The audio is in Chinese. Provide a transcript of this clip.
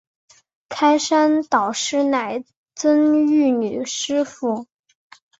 开山导师乃曾玉女师傅。